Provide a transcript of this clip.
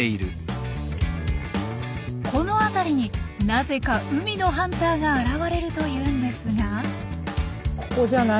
この辺りになぜか海のハンターが現れるというんですが。